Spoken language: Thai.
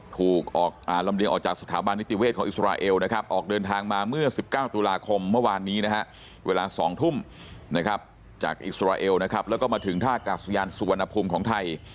ถูกออกลำเลียงออกจากสถาบันนิติเวศของอิสราเอลนะครับออกเดินทางมาเมื่อ๑๙ตุลาคมเมื่อวานนี้นะฮะเวลา๒ทุ่มนะครับจากอิสราเอลนะครับแล้วก็มาถึงท่ากาศยานสุวรรณภูมิของไทย